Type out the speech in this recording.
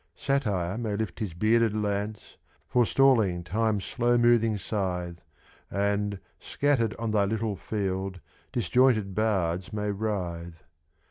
Satire may lift his bearded lance, Forestalling Time's slow moving scythe, And, scattered on thy little field, Disjointed bards may writhe.